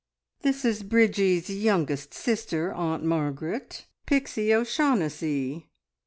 "This is Bridgie's youngest sister, Aunt Margaret Pixie O'Shaughnessy."